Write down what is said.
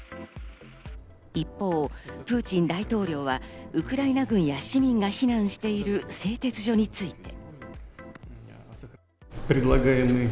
一方、プーチン大統領はウクライナ軍や市民が避難している製鉄所について。